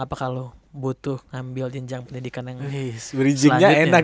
apakah lo butuh ngambil jinjang pendidikan yang selanjutnya